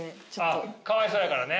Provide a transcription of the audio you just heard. かわいそうやからね。